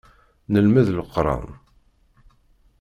Nelmed Leqran.